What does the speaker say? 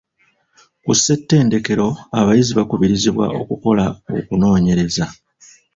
Ku ssettendekero abayizi bakubirizibwa okukola okunonyereza.